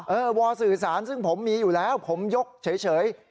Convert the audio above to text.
วอสื่อสารซึ่งผมมีอยู่แล้วผมยกเฉย